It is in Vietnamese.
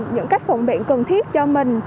những cách phòng bệnh cần thiết cho mình